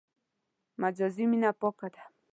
مجازي مینه پاکه ده.